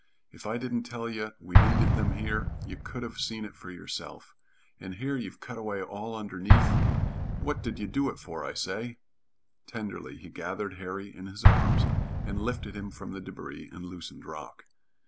If I didn't tell ye we needed them here, you could have seen it for yourself and here you've cut away all underneath. What did you do it for? I say!" Tenderly he gathered Harry in his arms and lifted him from the débris and loosened rock.